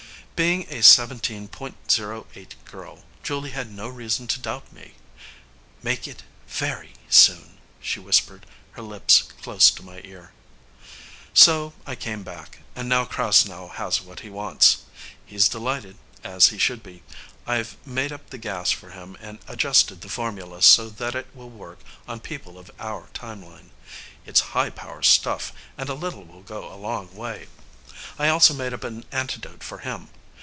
Being a Seventeen Point Zero Eight girl, Julie had no reason to doubt me. "Make it very soon," she whispered, her lips close to my ear. So I came back, and now Krasnow has what he wants. He's delighted, as he should be. I've made up the gas for him and adjusted the formula so that it will work on people of our timeline. It's high power stuff and a little will go a long way. I also made up an antidote for him.